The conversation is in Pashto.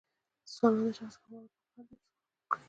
د ځوانانو د شخصي پرمختګ لپاره پکار ده چې ژوند خوږ کړي.